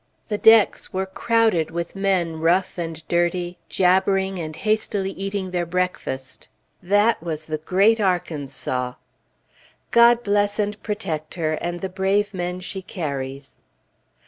The decks were crowded with men, rough and dirty, jabbering and hastily eating their breakfast. That was the great Arkansas! God bless and protect her, and the brave men she carries.